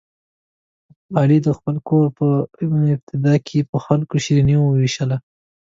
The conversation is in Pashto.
علي د خپل کور په ابتدا کې په خلکو شیریني ووېشله.